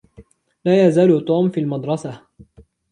لا يزال توم في المدرسة.